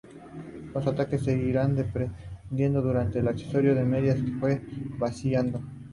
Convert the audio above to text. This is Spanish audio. Los tanques se irían desprendiendo durante el ascenso a medida que se fuesen vaciando.